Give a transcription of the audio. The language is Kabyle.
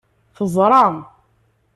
Teẓra.